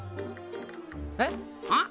えっ？あっ？